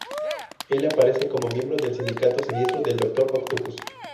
Él aparece como miembro del Sindicato Siniestro del Doctor Octopus.